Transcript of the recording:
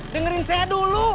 dengerin saya dulu